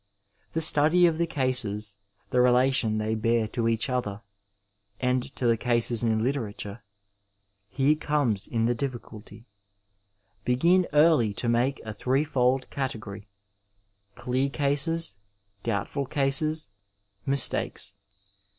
The study of the cases, the relation they bear to each other and to the cases in hterature — ^here comes in the difficulty. Begin early to make a threefold category— clear cases, doubtful cases, mistakes.